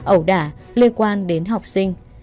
ẩu đả liên quan đến học sinh